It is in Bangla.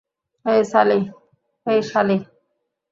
হেই, সালি।